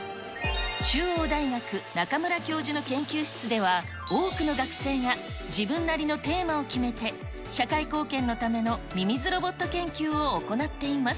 中央大学中村教授の研究室では、多くの学生が自分なりのテーマを決めて、社会貢献のためのミミズロボット研究を行っています。